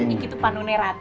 ini tuh panune rata